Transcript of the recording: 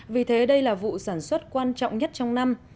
vì thế đây là vụ sản xuất quan trọng nhất trong năm